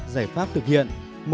ba giải pháp thực hiện